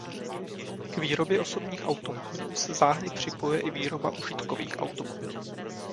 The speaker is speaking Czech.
K výrobě osobních automobilů se záhy připojuje i výroba užitkových automobilů.